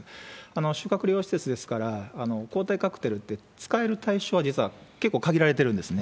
宿泊療養施設ですから、抗体カクテルって使える対象は、実は結構限られてるんですね。